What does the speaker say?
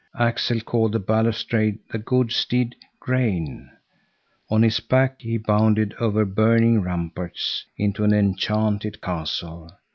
Axel called the balustrade the good steed Grane. On his back he bounded over burning ramparts into an enchanted castle.